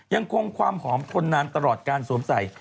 ยังคงความหอมทนนานตลอดการสวมใส่